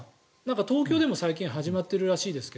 東京でも最近始まってるみたいですが。